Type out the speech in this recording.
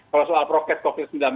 kalau soal prokes covid sembilan belas